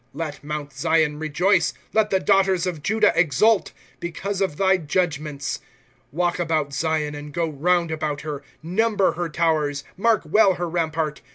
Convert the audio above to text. ^^ Let Mount Zion rejoice. Let the daughters of Judah exult, Because of thy judgments. 1^ Walk about Zion, and go round about her ; Number her towers. ^' Mark well her rampart.